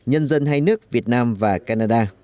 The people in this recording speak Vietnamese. nhân dân hai nước việt nam và canada